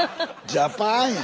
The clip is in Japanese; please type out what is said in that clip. ジャパン！